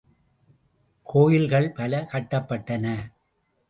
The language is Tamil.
கோயில்கள் பல கட்டப்பட்டன.